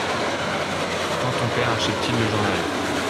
Quand ton père achète-il le journal ?